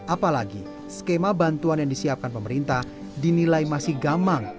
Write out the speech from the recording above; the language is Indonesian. apalagi skema bantuan yang disiapkan pemerintah dinilai masih gamang